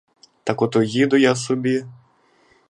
Так ото їду я собі.